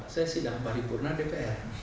saya sedang pari purna dpr